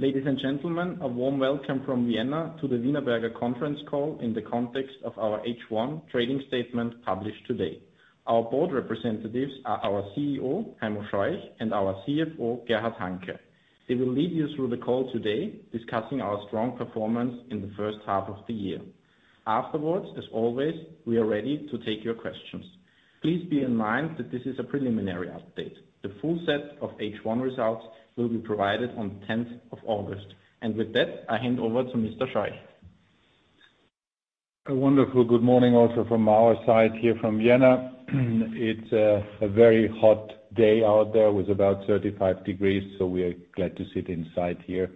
Ladies and gentlemen, a warm welcome from Vienna to the Wienerberger conference call in the context of our H1 trading statement published today. Our board representatives are our CEO, Heimo Scheuch, and our CFO, Gerhard Hanke. They will lead you through the call today, discussing our strong performance in the first half of the year. Afterwards, as always, we are ready to take your questions. Please bear in mind that this is a preliminary update. The full set of H1 results will be provided on 10th of August. With that, I hand over to Mr. Scheuch. A wonderful good morning also from our side here from Vienna. It's a very hot day out there with about 35 degrees, so we are glad to sit inside here.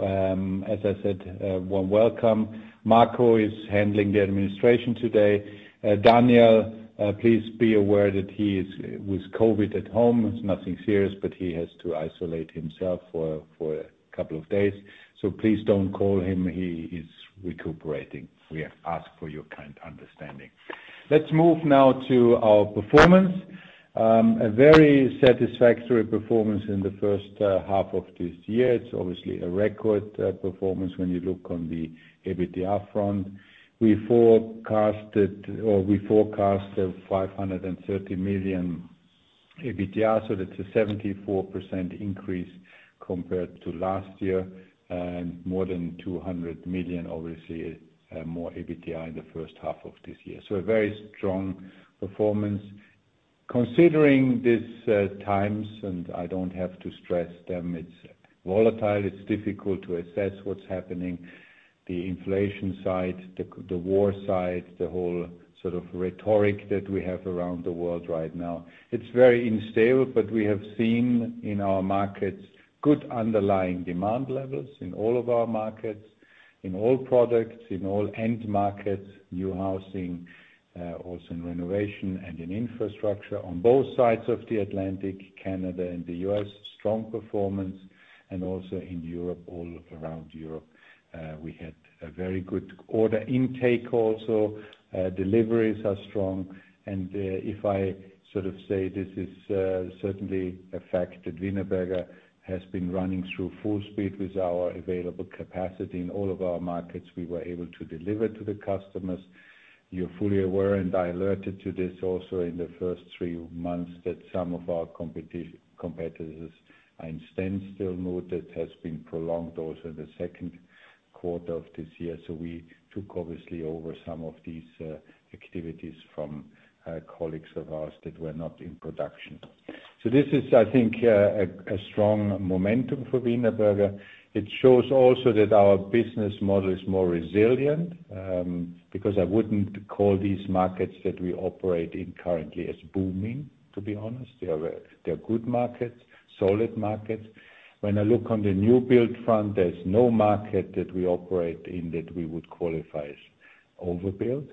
As I said, warm welcome. Markus Remis is handling the administration today. Daniel, please be aware that he is with COVID at home. It's nothing serious, but he has to isolate himself for a couple of days. Please don't call him. He is recuperating. We ask for your kind understanding. Let's move now to our performance. A very satisfactory performance in the first half of this year. It's obviously a record performance when you look on the EBITDA front. We forecasted or we forecast 530 million EBITDA, so that's a 74% increase compared to last year, and more than 200 million, obviously, more EBITDA in the first half of this year. A very strong performance. Considering these times, and I don't have to stress them, it's volatile, it's difficult to assess what's happening. The inflation side, the war side, the whole sort of rhetoric that we have around the world right now. It's very unstable, but we have seen in our markets good underlying demand levels in all of our markets, in all products, in all end markets, new housing, also in renovation and in infrastructure on both sides of the Atlantic, Canada and the U.S., strong performance, and also in Europe, all around Europe. We had a very good order intake also. Deliveries are strong. If I sort of say this is certainly a fact that Wienerberger has been running through full speed with our available capacity. In all of our markets, we were able to deliver to the customers. You're fully aware, and I alerted to this also in the first three months, that some of our competitors are in standstill mode. It has been prolonged also in the second quarter of this year. We took, obviously, over some of these activities from colleagues of ours that were not in production. This is, I think, a strong momentum for Wienerberger. It shows also that our business model is more resilient, because I wouldn't call these markets that we operate in currently as booming, to be honest. They are, they're good markets, solid markets. When I look on the new build front, there's no market that we operate in that we would qualify as overbuilt.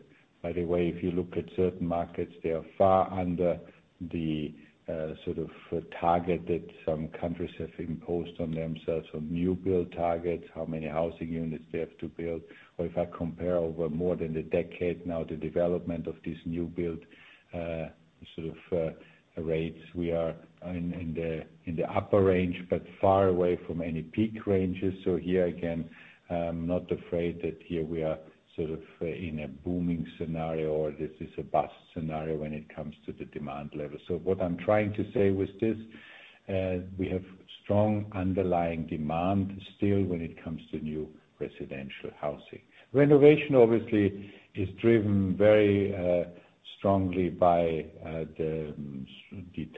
By the way, if you look at certain markets, they are far under the sort of target that some countries have imposed on themselves. New build targets, how many housing units they have to build. If I compare over more than a decade now, the development of these new build sort of rates, we are in the upper range, but far away from any peak ranges. Here again, I'm not afraid that here we are sort of in a booming scenario, or this is a bust scenario when it comes to the demand level. What I'm trying to say with this, we have strong underlying demand still when it comes to new residential housing. Renovation, obviously, is driven very strongly by the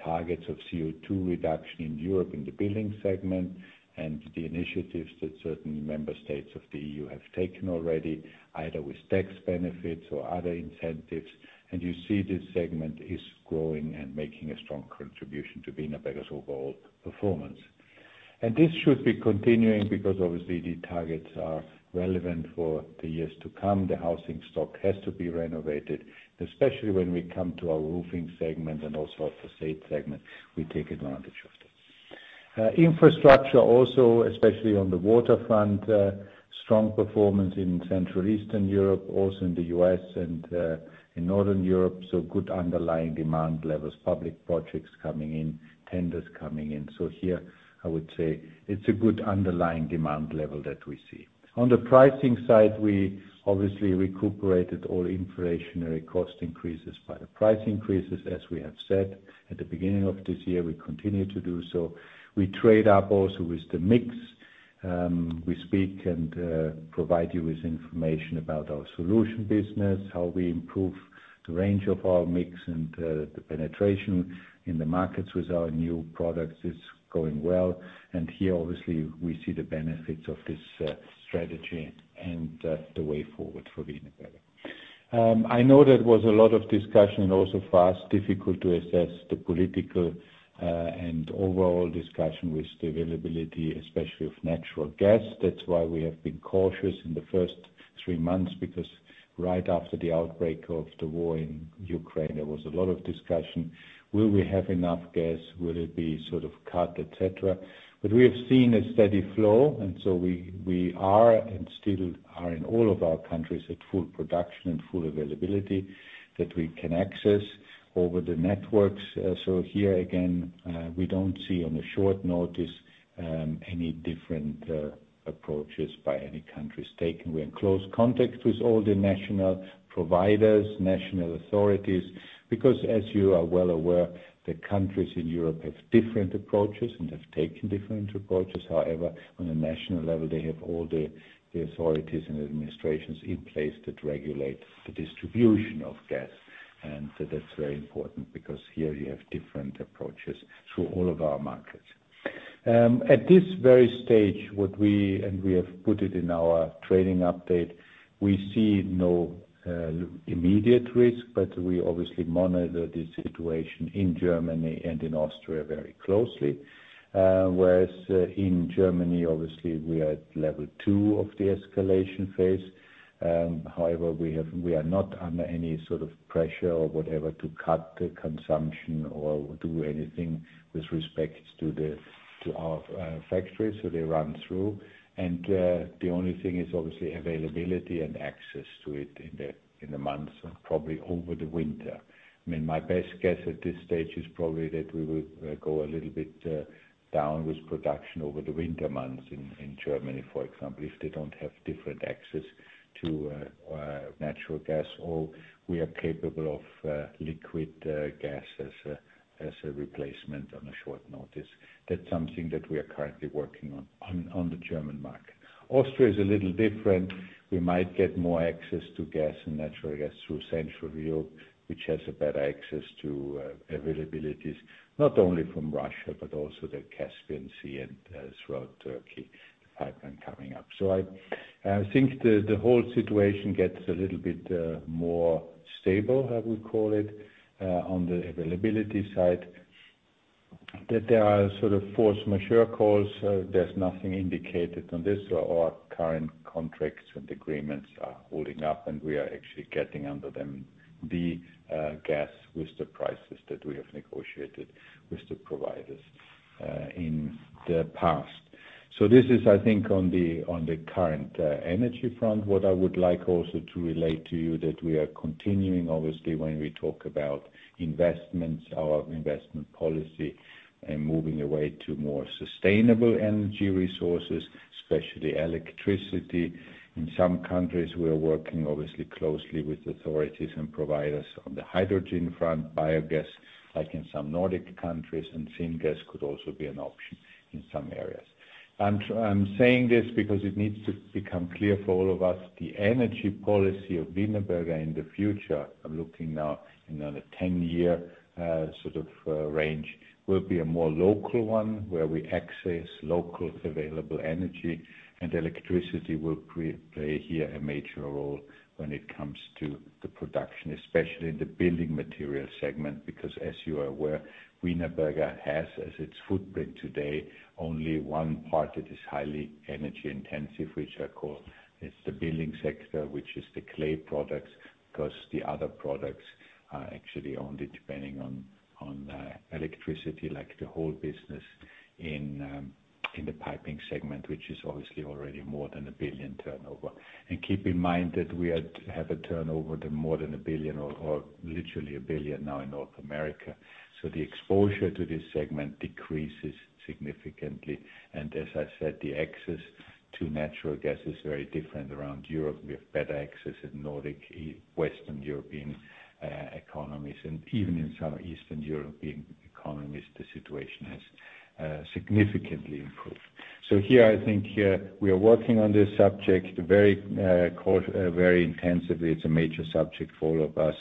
targets of CO2 reduction in Europe in the building segment and the initiatives that certain member states of the EU have taken already, either with tax benefits or other incentives. You see this segment is growing and making a strong contribution to Wienerberger's overall performance. This should be continuing because obviously the targets are relevant for the years to come. The housing stock has to be renovated, especially when we come to our roofing segment and also our facade segment. We take advantage of that. Infrastructure also, especially on the waterfront, strong performance in Central Eastern Europe, also in the U.S. and in Northern Europe, so good underlying demand levels. Public projects coming in, tenders coming in. Here I would say it's a good underlying demand level that we see. On the pricing side, we obviously recuperated all inflationary cost increases by the price increases, as we have said at the beginning of this year. We continue to do so. We trade up also with the mix. We speak and provide you with information about our solution business, how we improve the range of our mix and the penetration in the markets with our new products is going well. Here, obviously, we see the benefits of this strategy and the way forward for Wienerberger. I know there was a lot of discussion also for us, difficult to assess the political and overall discussion with the availability, especially of natural gas. That's why we have been cautious in the first three months, because right after the outbreak of the war in Ukraine, there was a lot of discussion. Will we have enough gas? Will it be sort of cut, et cetera? We have seen a steady flow, and so we are, and still are in all of our countries at full production and full availability that we can access over the networks. So here again, we don't see on short notice any different approaches by any countries taken. We're in close contact with all the national providers, national authorities. Because as you are well aware, the countries in Europe have different approaches and have taken different approaches. However, on a national level, they have all the authorities and administrations in place that regulate the distribution of gas. That's very important because here you have different approaches through all of our markets. At this very stage, we have put it in our trading update, we see no immediate risk, but we obviously monitor the situation in Germany and in Austria very closely. Whereas in Germany, obviously, we are at level two of the escalation phase. However, we are not under any sort of pressure or whatever to cut the consumption or do anything with respect to our factories so they run through. The only thing is obviously availability and access to it in the months and probably over the winter. I mean, my best guess at this stage is probably that we will go a little bit down with production over the winter months in Germany, for example, if they don't have different access to natural gas, or we are capable of liquid gas as a replacement on a short notice. That's something that we are currently working on the German market. Austria is a little different. We might get more access to gas and natural gas through Central Europe, which has a better access to availability, not only from Russia, but also the Caspian Sea and throughout Turkey, the pipeline coming up. I think the whole situation gets a little bit more stable, I would call it, on the availability side. That there are sort of force majeure clause. There's nothing indicated on this. Our current contracts and agreements are holding up, and we are actually getting under them the gas with the prices that we have negotiated with the providers in the past. This is I think on the current energy front. What I would like also to relate to you that we are continuing, obviously, when we talk about investments, our investment policy and moving away to more sustainable energy resources, especially electricity. In some countries, we are working obviously closely with authorities and providers on the hydrogen front, biogas, like in some Nordic countries, and syngas could also be an option in some areas. I'm saying this because it needs to become clear for all of us, the energy policy of Wienerberger in the future. I'm looking now into a 10-year sort of range, will be a more local one where we access local available energy and electricity will play here a major role when it comes to the production, especially in the building material segment. Because as you are aware, Wienerberger has as its footprint today, only one part that is highly energy intensive, which I call, it's the building sector, which is the clay products. 'Cause the other products are actually only depending on electricity, like the whole business in the piping segment, which is obviously already more than a billion turnover. Keep in mind that we have a turnover of more than a billion or literally a billion now in North America. The exposure to this segment decreases significantly. As I said, the access to natural gas is very different around Europe. We have better access in Nordic, Western European, economies, and even in some Eastern European economies, the situation has significantly improved. Here, I think, we are working on this subject very intensively. It's a major subject for all of us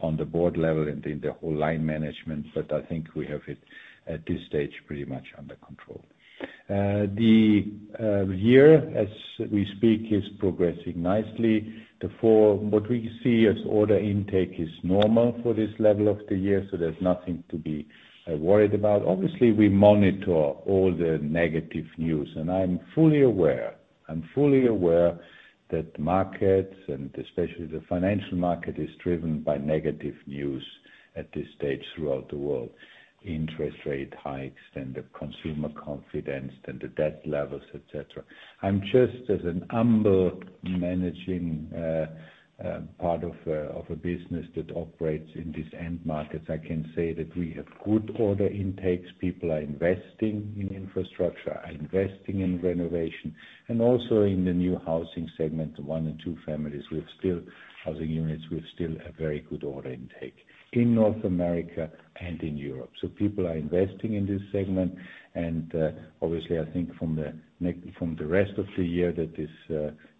on the board level and in the whole line management, but I think we have it, at this stage, pretty much under control. The year as we speak is progressing nicely. What we see as order intake is normal for this level of the year, so there's nothing to be worried about. Obviously, we monitor all the negative news, and I'm fully aware. I'm fully aware that markets, and especially the financial market, is driven by negative news at this stage throughout the world. Interest rate hikes, then the consumer confidence, then the debt levels, et cetera. I'm just as an humble managing part of a business that operates in these end markets. I can say that we have good order intakes. People are investing in infrastructure, are investing in renovation, and also in the new housing segment, one in two families. We have still housing units. We have still a very good order intake in North America and in Europe. People are investing in this segment. I think from the rest of the year that is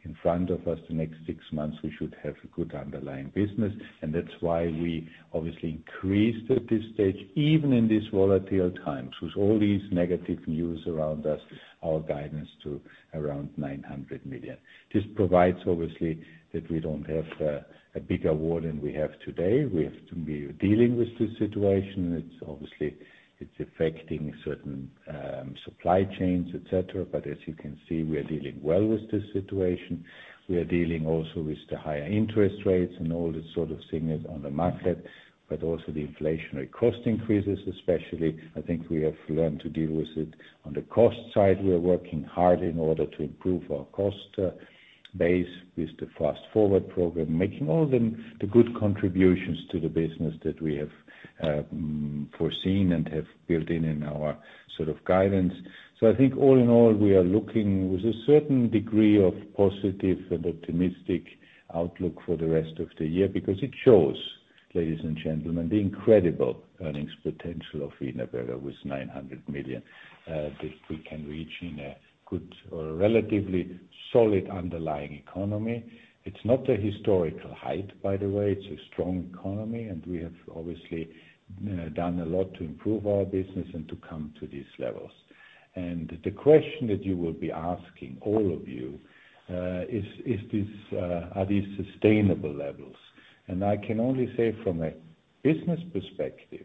in front of us, the next six months, we should have a good underlying business. That's why we obviously increased at this stage, even in this volatile times, with all these negative news around us, our guidance to around 900 million. This provides obviously that we don't have a bigger war than we have today. We have to be dealing with this situation. It's obviously affecting certain supply chains, et cetera. As you can see, we are dealing well with this situation. We are dealing also with the higher interest rates and all that sort of things on the market, but also the inflationary cost increases, especially. I think we have learned to deal with it. On the cost side, we are working hard in order to improve our cost base with the Fast Forward program, making all the good contributions to the business that we have foreseen and have built in our sort of guidance. I think all in all, we are looking with a certain degree of positive and optimistic outlook for the rest of the year because it shows. Ladies and gentlemen, the incredible earnings potential of Wienerberger was 900 million that we can reach in a good or a relatively solid underlying economy. It's not a historical height, by the way. It's a strong economy, and we have obviously done a lot to improve our business and to come to these levels. The question that you will be asking, all of you, is this, are these sustainable levels? I can only say from a business perspective,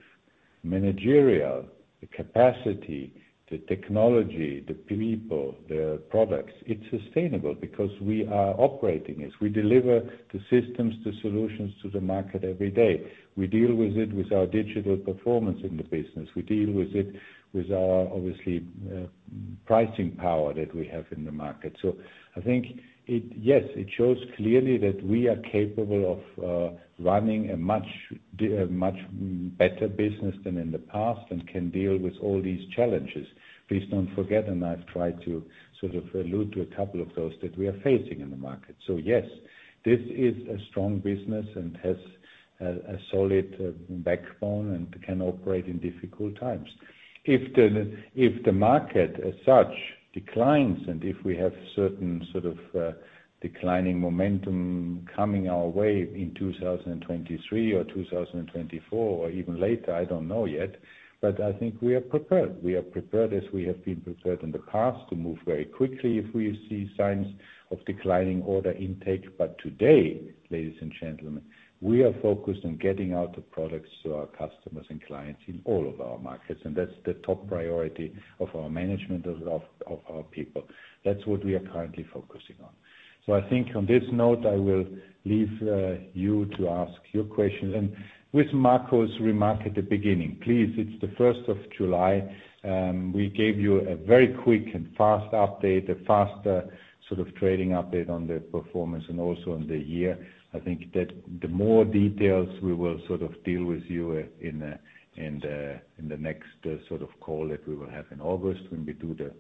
managerial, the capacity, the technology, the people, the products, it's sustainable because we are operating it. We deliver the systems, the solutions to the market every day. We deal with it with our digital performance in the business. We deal with it with our, obviously, pricing power that we have in the market. I think it. Yes, it shows clearly that we are capable of running a much better business than in the past and can deal with all these challenges. Please don't forget, and I've tried to sort of allude to a couple of those that we are facing in the market. Yes, this is a strong business and has a solid backbone and can operate in difficult times. If the market as such declines and if we have certain sort of declining momentum coming our way in 2023 or 2024 or even later, I don't know yet, but I think we are prepared. We are prepared, as we have been prepared in the past, to move very quickly if we see signs of declining order intake. Today, ladies and gentlemen, we are focused on getting out the products to our customers and clients in all of our markets, and that's the top priority of our management, of our people. That's what we are currently focusing on. I think on this note, I will leave you to ask your questions. With Markus remark at the beginning, please, it's the 1st of July. We gave you a very quick and fast update, a faster sort of trading update on the performance and also on the year. I think that the more details we will sort of deal with you in the next sort of call that we will have in August when we do the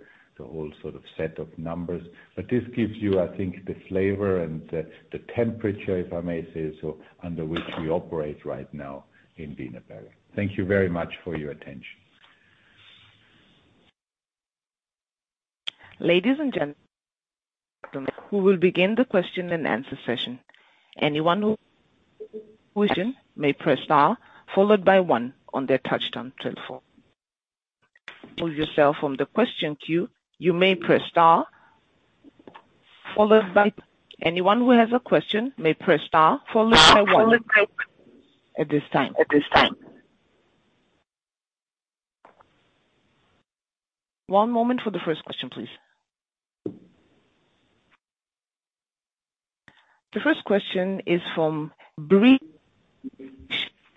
whole sort of set of numbers. This gives you, I think, the flavor and the temperature, if I may say so, under which we operate right now in Wienerberger. Thank you very much for your attention. Ladies and gentlemen, we will begin the question and answer session. Anyone who has a question may press star followed by one at this time. One moment for the first question, please. The first question is from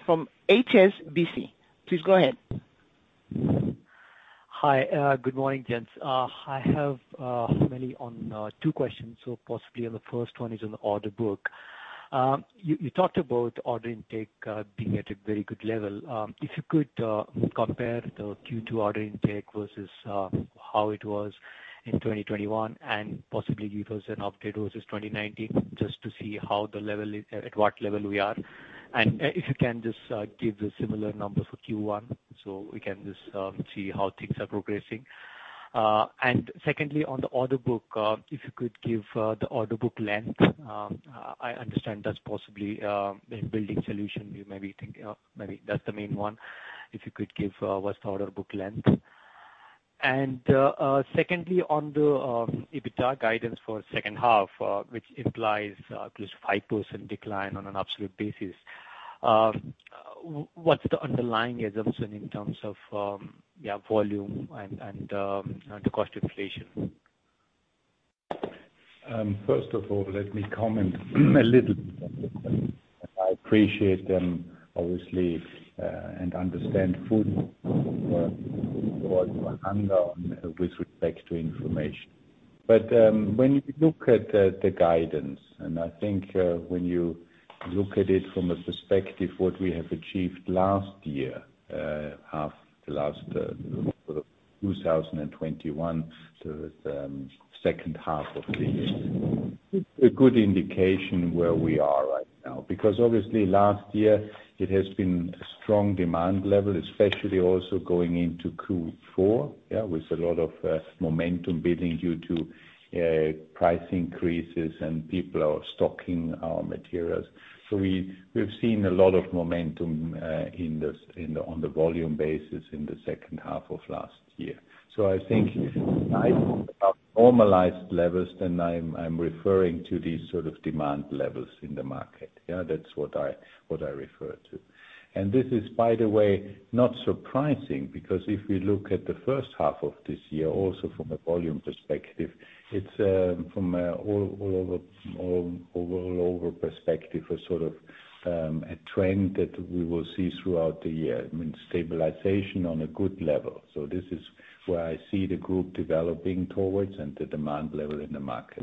from HSBC. Please go ahead. Hi, good morning, gents. I have mainly on two questions. Possibly the first one is on the order book. You talked about order intake being at a very good level. If you could compare the Q2 order intake versus how it was in 2021 and possibly give us an update versus 2019, just to see how the level is, at what level we are. If you can just give the similar number for Q1, so we can just see how things are progressing. Secondly, on the order book, if you could give the order book length. I understand that's possibly in building solution, you maybe think, maybe that's the main one. If you could give what's the order book length. Secondly, on the EBITDA guidance for second half, which implies at least 5% decline on an absolute basis. What's the underlying assumption in terms of, yeah, volume and the cost inflation? First of all, let me comment a little. I appreciate them, obviously, and understand fully what you are under with respect to information. When you look at the guidance, and I think, when you look at it from a perspective what we have achieved last year, first half of 2021 to second half of the year, it's a good indication where we are right now. Because obviously last year it has been a strong demand level, especially also going into Q4. Yeah, with a lot of momentum building due to price increases and people are stocking our materials. We've seen a lot of momentum on the volume basis in the second half of last year. I think when I talk about normalized levels then I'm referring to these sort of demand levels in the market. Yeah, that's what I refer to. This is, by the way, not surprising because if we look at the first half of this year also from a volume perspective, it's overall a sort of a trend that we will see throughout the year. I mean, stabilization on a good level. This is where I see the group developing towards and the demand level in the market.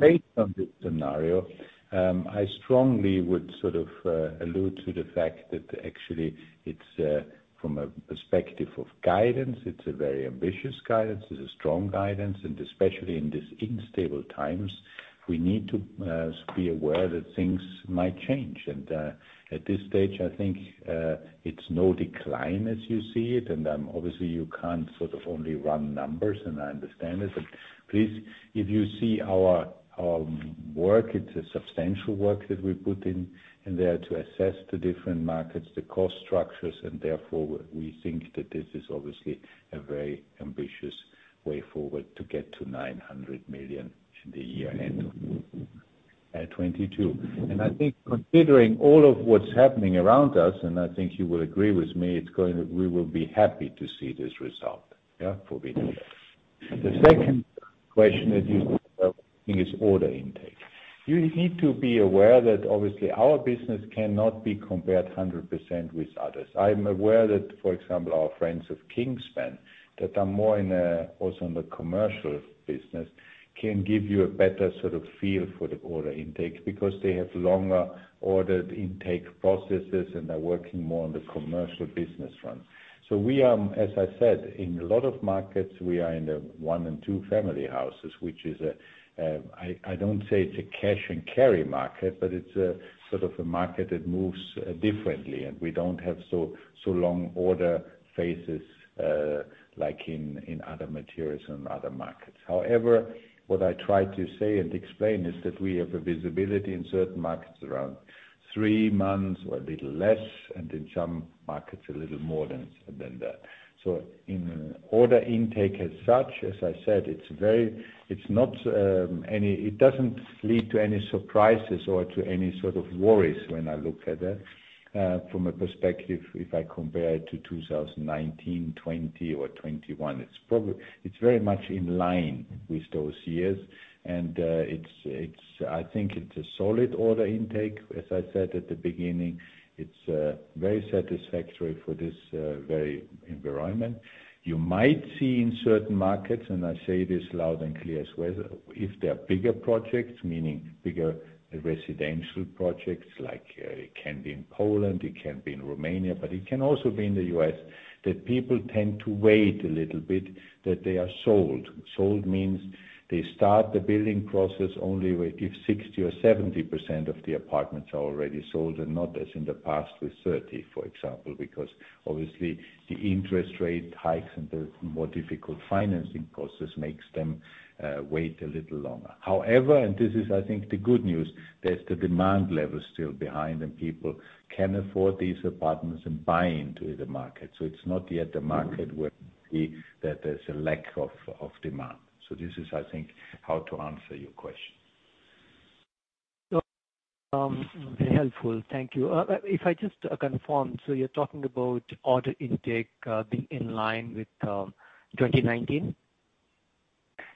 Based on this scenario, I strongly would sort of allude to the fact that actually it's from a perspective of guidance, it's a very ambitious guidance. It's a strong guidance. Especially in this unstable times, we need to be aware that things might change. At this stage, I think it's no decline as you see it. Obviously you can't sort of only run numbers, and I understand this. Please, if you see our work, it's a substantial work that we put in there to assess the different markets, the cost structures, and therefore we think that this is obviously a very ambitious way forward to get to 900 million at year-end 2022. I think considering all of what's happening around us, and I think you will agree with me, it's going to. We will be happy to see this result, yeah, for business. The second question that you have is order intake. You need to be aware that obviously our business cannot be compared 100% with others. I'm aware that, for example, our friends of Kingspan that are more in also in the commercial business can give you a better sort of feel for the order intake because they have longer order intake processes and are working more on the commercial business front. We are, as I said, in a lot of markets, we are in the one- and two-family houses, which is, I don't say it's a cash and carry market, but it's a sort of a market that moves differently, and we don't have so long order phases like in other materials and other markets. However, what I try to say and explain is that we have a visibility in certain markets around three months or a little less, and in some markets a little more than that. In order intake as such, as I said, it doesn't lead to any surprises or to any sort of worries when I look at it from a perspective, if I compare it to 2019, 2020 or 2021. It's very much in line with those years. I think it's a solid order intake. As I said at the beginning, it's very satisfactory for this very environment. You might see in certain markets, and I say this loud and clear as well, if there are bigger projects, meaning bigger residential projects, like, it can be in Poland, it can be in Romania, but it can also be in the U.S., that people tend to wait a little bit, that they are sold. Sold means they start the building process only if 60% or 70% of the apartments are already sold and not as in the past with 30%, for example, because obviously the interest rate hikes and the more difficult financing process makes them wait a little longer. However, and this is I think the good news, there's the demand level still behind, and people can afford these apartments and buy into the market. It's not yet a market where we see that there's a lack of demand. This is, I think, how to answer your question. Helpful. Thank you. If I just confirm, so you're talking about order intake being in line with 2019?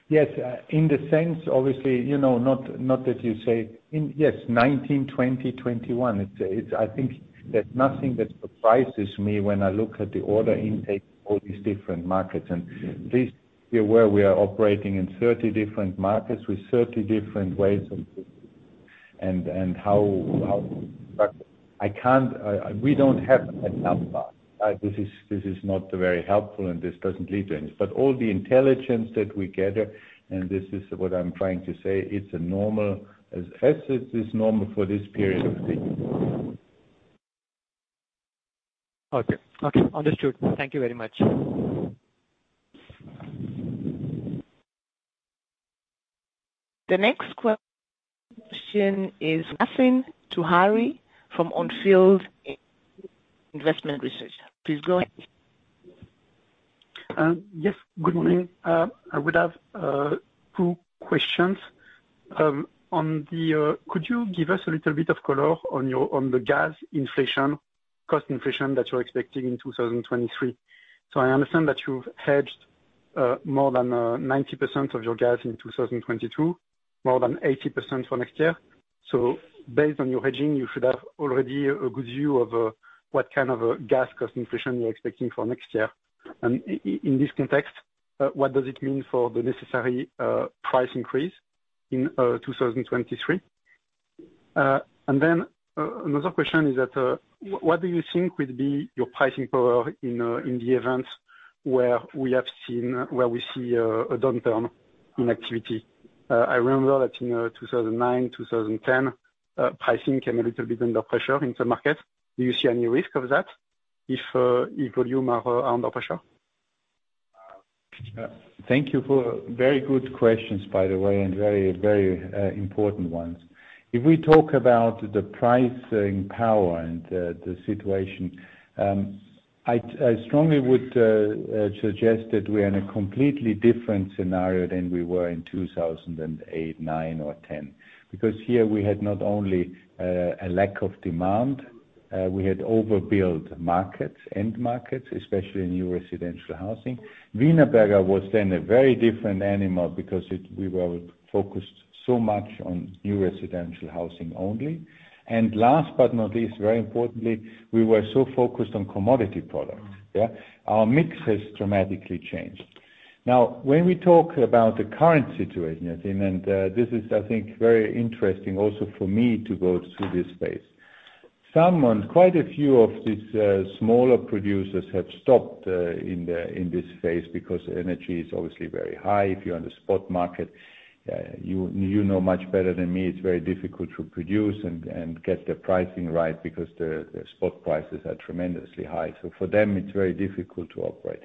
Yes. In the sense, obviously, you know, 2019, 2020, 2021. I think there's nothing that surprises me when I look at the order intake in all these different markets. Please be aware we are operating in 30 different markets with 30 different ways of doing and how. I can't, we don't have a number. This is not very helpful, and this doesn't lead to anything. All the intelligence that we gather, and this is what I'm trying to say, it's as normal as it is normal for this period of the year. Okay. Understood. Thank you very much. The next question is Yassine Touahri from On Field Investment Research. Please go ahead. Yes, good morning. I would have two questions. Could you give us a little bit of color on the gas inflation, cost inflation that you're expecting in 2023? I understand that you've hedged more than 90% of your gas in 2022, more than 80% for next year. Based on your hedging, you should have already a good view of what kind of a gas cost inflation you're expecting for next year. In this context, what does it mean for the necessary price increase in 2023? Another question is that, what do you think would be your pricing power in the event where we see a downturn in activity? I remember that in 2009, 2010, pricing came a little bit under pressure in the market. Do you see any risk of that if volume are under pressure? Thank you for very good questions, by the way, and very important ones. If we talk about the pricing power and the situation, I strongly would suggest that we are in a completely different scenario than we were in 2008, 2009 or 2010. Because here we had not only a lack of demand, we had overbuilt markets, end markets, especially in new residential housing. Wienerberger was then a very different animal because it, we were focused so much on new residential housing only. Last but not least, very importantly, we were so focused on commodity products. Yeah. Our mix has dramatically changed. Now, when we talk about the current situation, I think this is, I think, very interesting also for me to go through this phase. Quite a few of these smaller producers have stopped in this phase because energy is obviously very high. If you're on the spot market, you know much better than me, it's very difficult to produce and get the pricing right because the spot prices are tremendously high. For them, it's very difficult to operate.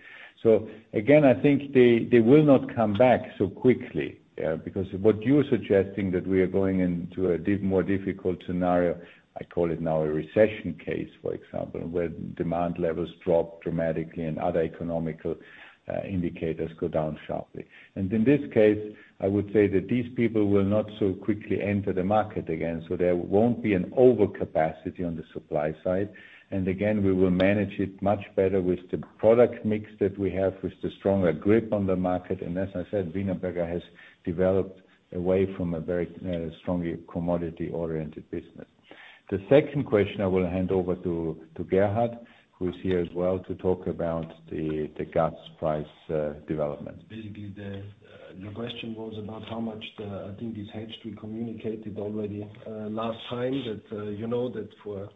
Again, I think they will not come back so quickly because what you're suggesting that we are going into a more difficult scenario, I call it now a recession case, for example, where demand levels drop dramatically and other economic indicators go down sharply. In this case, I would say that these people will not so quickly enter the market again. There won't be an overcapacity on the supply side. Again, we will manage it much better with the product mix that we have, with the stronger grip on the market. As I said, Wienerberger has developed a way from a very strongly commodity-oriented business. The second question I will hand over to Gerhard, who is here as well to talk about the gas price development. Basically, your question was about how much, I think, is hedged. We communicated already last time that you know that for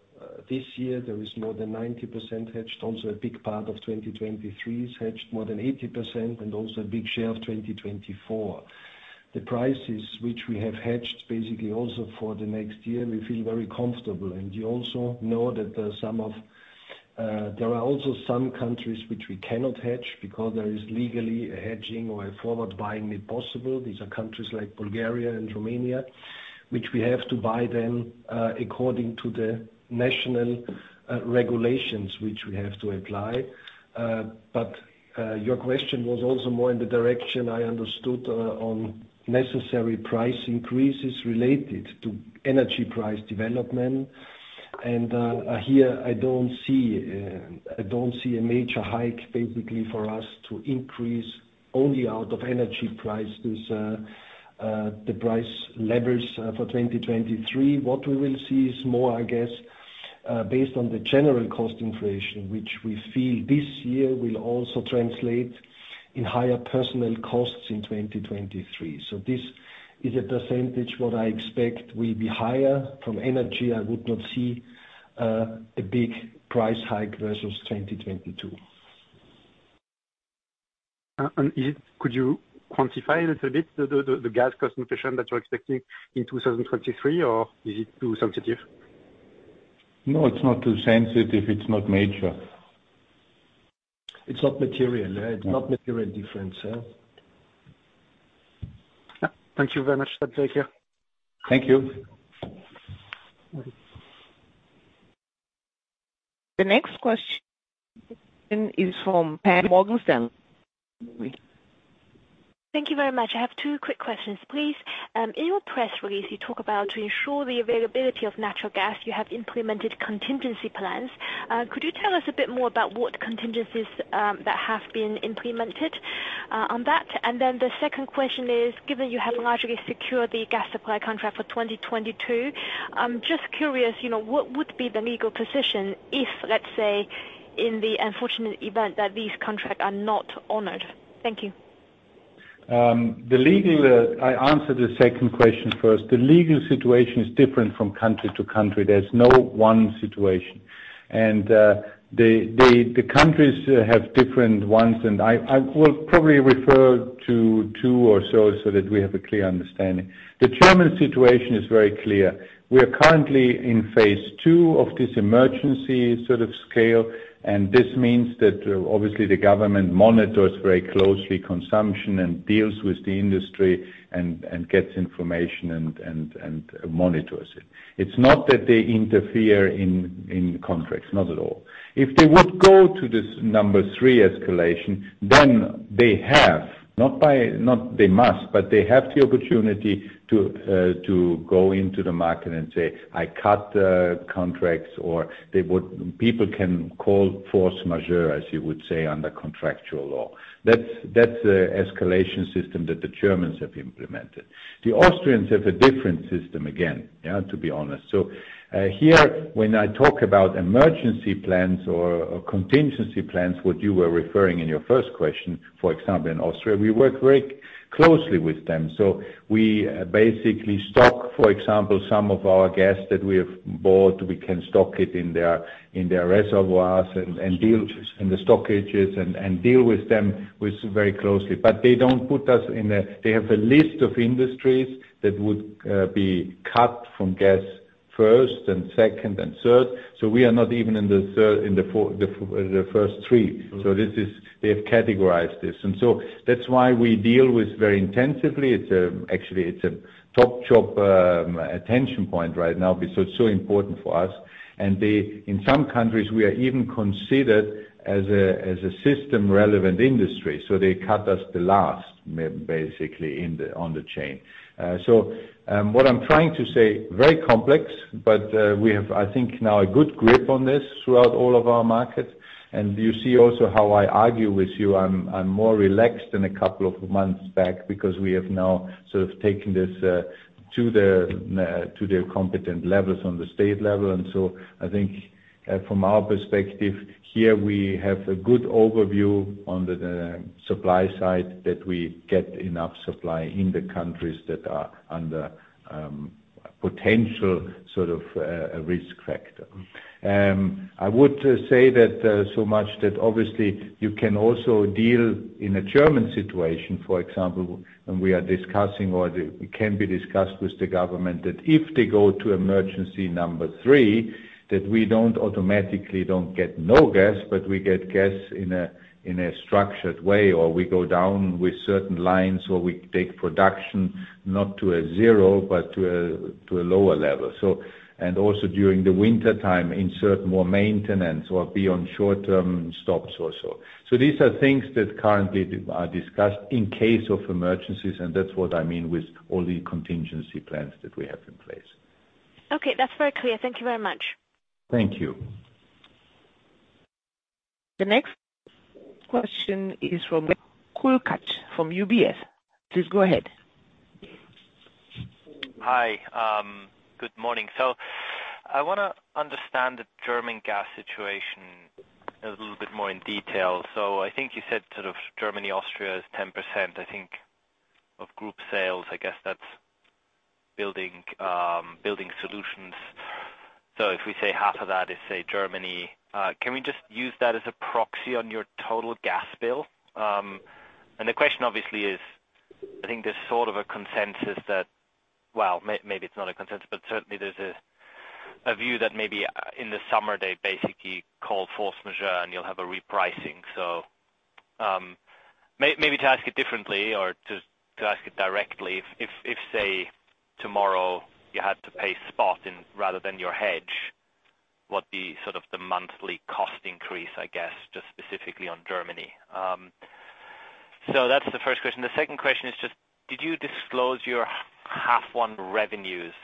this year, there is more than 90% hedged. Also, a big part of 2023 is hedged more than 80%, and also a big share of 2024. The prices which we have hedged basically also for the next year, we feel very comfortable. You also know that there are also some countries which we cannot hedge because there is legally a hedging or a forward buying impossible. These are countries like Bulgaria and Romania, which we have to buy then according to the national regulations which we have to apply. Your question was also more in the direction I understood on necessary price increases related to energy price development. Here, I don't see a major hike basically for us to increase only out of energy prices the price levels for 2023. What we will see is more, I guess, based on the general cost inflation, which we feel this year will also translate in higher personal costs in 2023. This is a percentage what I expect will be higher from energy. I would not see a big price hike versus 2022. Could you quantify a little bit the gas cost inflation that you're expecting in 2023, or is it too sensitive? No, it's not too sensitive. It's not major. It's not material, yeah. It's not material difference, yeah. Thank you very much. That's okay. Thank you. The next question is from. Thank you very much. I have two quick questions, please. In your press release, you talk about to ensure the availability of natural gas, you have implemented contingency plans. Could you tell us a bit more about what contingencies that have been implemented on that? The second question is, given you have largely secured the gas supply contract for 2022, I'm just curious, you know, what would be the legal position if, let's say, in the unfortunate event that these contract are not honored? Thank you. I answered the second question first. The legal situation is different from country to country. There's no one situation. The countries have different ones, and I will probably refer to two or so that we have a clear understanding. The German situation is very clear. We are currently in phase two of this emergency sort of scale, and this means that obviously the government monitors very closely consumption and deals with the industry and gets information and monitors it. It's not that they interfere in contracts, not at all. If they would go to this number three escalation, then they have the opportunity to go into the market and say, "I cut the contracts," or people can call force majeure, as you would say, under contractual law. That's the escalation system that the Germans have implemented. The Austrians have a different system again, to be honest. Here, when I talk about emergency plans or contingency plans, what you were referring to in your first question, for example, in Austria, we work very closely with them. We basically stock, for example, some of our gas that we have bought. We can stock it in their reservoirs and in the storages and deal with them very closely. They have a list of industries that would be cut off from gas first and second and third. We are not even in the first three. They have categorized this. That's why we deal with very intensively. It's actually a top chop attention point right now because it's so important for us. In some countries, we are even considered as a system-relevant industry, so they cut us last basically on the chain. What I'm trying to say, very complex, but we have, I think, now a good grip on this throughout all of our markets. You see also how I argue with you, I'm more relaxed than a couple of months back because we have now sort of taken this to the competent levels on the state level. I think from our perspective here, we have a good overview on the supply side that we get enough supply in the countries that are under potential sort of a risk factor. I would say that so much that obviously you can also deal in a German situation, for example, and we are discussing or it can be discussed with the government, that if they go to emergency number three, that we don't automatically get no gas, but we get gas in a structured way, or we go down with certain lines, or we take production not to zero, but to a lower level. Also during the wintertime, insert more maintenance or be on short-term stops or so. These are things that currently are discussed in case of emergencies, and that's what I mean with all the contingency plans that we have in place. Okay, that's very clear. Thank you very much. Thank you. The next question is from Kuglitsch from UBS. Please go ahead. Hi. Good morning. I wanna understand the German gas situation a little bit more in detail. I think you said sort of Germany, Austria is 10%, I think, of group sales. I guess that's building solutions. If we say 1/2 of that is, say, Germany, can we just use that as a proxy on your total gas bill? And the question obviously is, I think there's sort of a consensus that well, maybe it's not a consensus, but certainly there's a view that maybe in the summer, they basically called force majeure, and you'll have a repricing. Maybe to ask it differently or to ask it directly. If, say, tomorrow you had to pay spot in rather than your hedge, what sort of the monthly cost increase, I guess, just specifically on Germany. That's the first question. The second question is just did you disclose your half one revenues,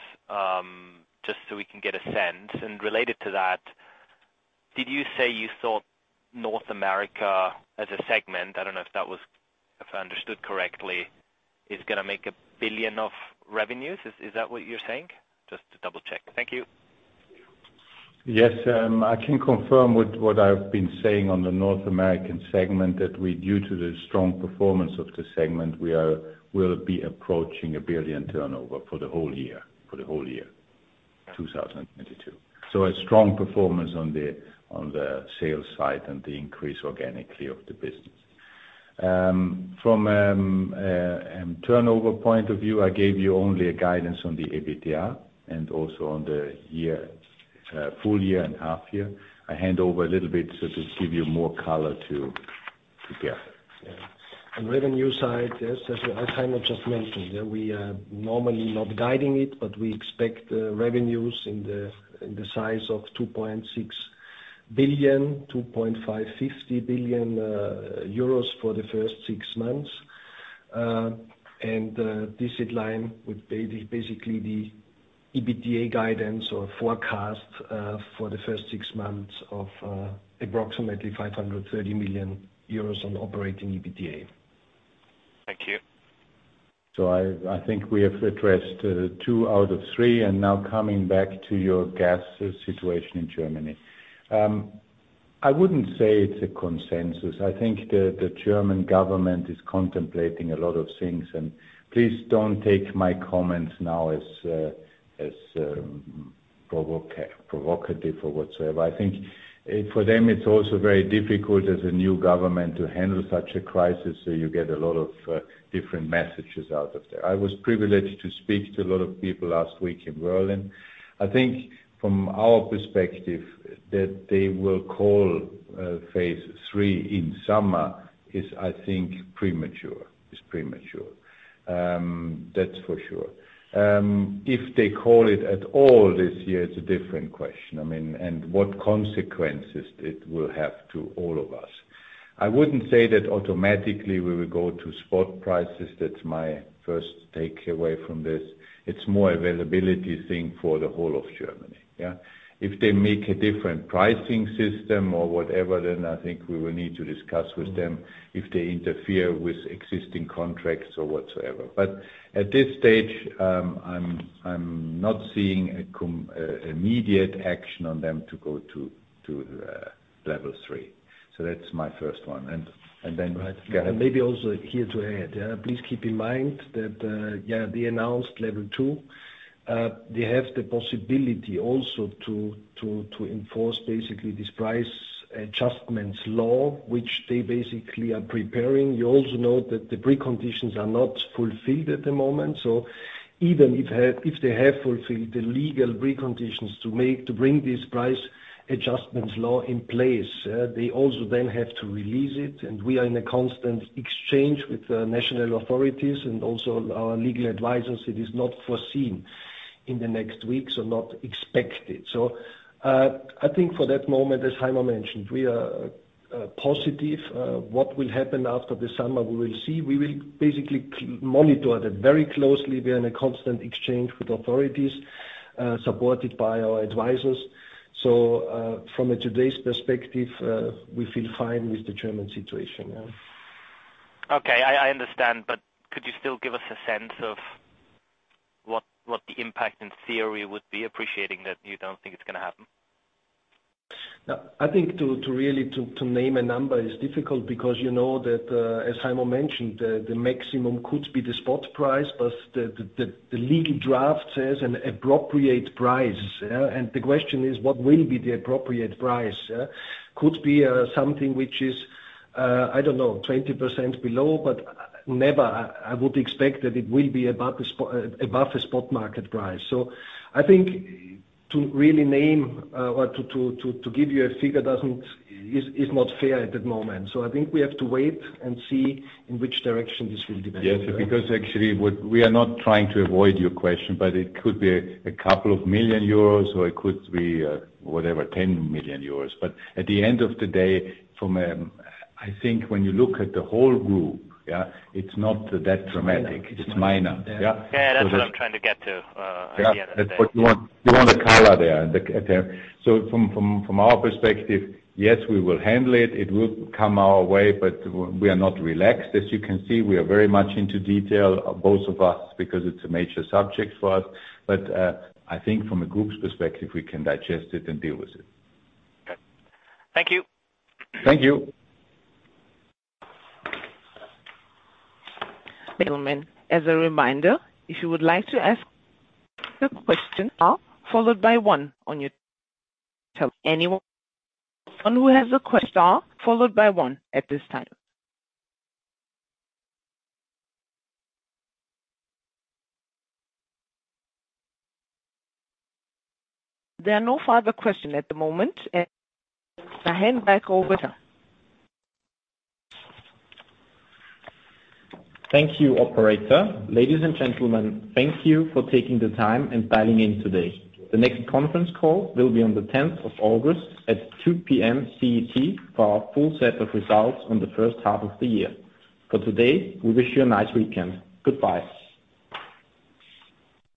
just so we can get a sense? Related to that, did you say you thought North America as a segment, I don't know if that was, if I understood correctly, is gonna make a billion of revenue? Is that what you're saying? Just to double-check. Thank you. Yes, I can confirm what I've been saying on the North American segment. Due to the strong performance of the segment, we'll be approaching a billion turnover for the whole year, 2022. A strong performance on the sales side and the increase organically of the business. From turnover point of view, I gave you only a guidance on the EBITDA and also on the full year and half year. I hand over a little bit just to give you more color to Gerhard. Yeah. On revenue side, yes, as Heimo just mentioned, yeah, we are normally not guiding it, but we expect revenues in the size of 2.6 billion-2.55 billion euro for the first six months. This in line with basically the EBITDA guidance or forecast for the first six months of approximately 530 million euros on operating EBITDA. Thank you. I think we have addressed two out of three, and now coming back to your gas situation in Germany. I wouldn't say it's a consensus. I think the German government is contemplating a lot of things, and please don't take my comments now as provocative or whatsoever. I think for them, it's also very difficult as a new government to handle such a crisis, so you get a lot of different messages out of there. I was privileged to speak to a lot of people last week in Berlin. I think from our perspective that they will call phase three in summer is, I think, premature. It's premature. That's for sure. If they call it at all this year, it's a different question. I mean, and what consequences it will have to all of us. I wouldn't say that automatically we will go to spot prices. That's my first takeaway from this. It's more availability thing for the whole of Germany, yeah. If they make a different pricing system or whatever, then I think we will need to discuss with them if they interfere with existing contracts or whatsoever. But at this stage, I'm not seeing immediate action on them to go to level three. So that's my first one. Right. Maybe also here to add. Please keep in mind that the announced level two, they have the possibility also to enforce basically this price adjustments law, which they basically are preparing. You also know that the preconditions are not fulfilled at the moment. Even if they have fulfilled the legal preconditions to bring this price adjustments law in place, they also then have to release it. We are in a constant exchange with the national authorities and also our legal advisors. It is not foreseen in the next weeks or not expected. I think for that moment, as Heimo mentioned, we are positive. What will happen after the summer, we will see. We will basically monitor that very closely. We are in a constant exchange with authorities, supported by our advisors. From today's perspective, we feel fine with the German situation, yeah. Okay, I understand, but could you still give us a sense of what the impact in theory would be? Appreciating that you don't think it's gonna happen. Yeah. I think to really name a number is difficult because you know that, as Heimo mentioned, the maximum could be the spot price. The legal draft says an appropriate price, yeah. The question is, what will be the appropriate price, yeah? Could be something which is, I don't know, 20% below. Never I would expect that it will be above the spot market price. I think to really name or to give you a figure is not fair at the moment. I think we have to wait and see in which direction this will develop. Yes, because we are not trying to avoid your question, but it could be a couple million euros or it could be whatever, 10 million euros. At the end of the day, from I think when you look at the whole group, yeah, it's not that dramatic. It's minor, yeah. Yeah. That's what I'm trying to get to, at the end of the day. Yeah. That's what you want. You want the color there. From our perspective, yes, we will handle it. It will come our way, but we are not relaxed, as you can see. We are very much into detail, both of us, because it's a major subject for us. I think from a group's perspective, we can digest it and deal with it. Okay. Thank you. Thank you. As a reminder, if you would like to ask a question, star followed by one on your telephone. Anyone who has a question, star followed by one at this time. There are no further question at the moment. I hand back over. Thank you, operator. Ladies and gentlemen, thank you for taking the time and dialing in today. The next conference call will be on the tenth of August at 2:00 P.M. CET for our full set of results on the first half of the year. For today, we wish you a nice weekend. Goodbye.